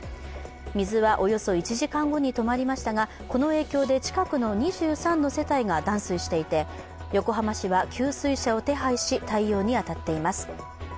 水はおよそ１時間後に止まりましたが、この影響で近くの２３の世帯が断水していて横浜市は給水車を手配し、対応に当たっています。